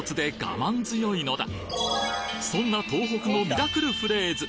そんな東北のミラクルフレーズ